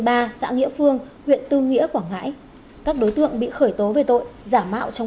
ba xã nghĩa phương huyện tư nghĩa quảng ngãi các đối tượng bị khởi tố về tội giả mạo trong